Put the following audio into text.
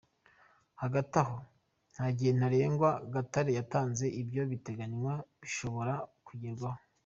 Hagati aho, nta gihe ntarengwa Gatare yatanze ibyo biteganywa bishobora kugerwaho.